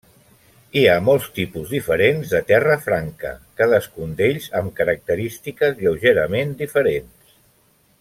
Hi ha molts tipus diferents de terra franca, cadascun d'ells amb característiques lleugerament diferents.